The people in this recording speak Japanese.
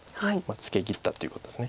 ツケ切ったということです。